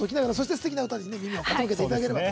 すてきな歌に耳を傾けていただけたら。